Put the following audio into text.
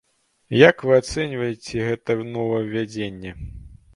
Як вы ацэньваеце гэта новаўвядзенне?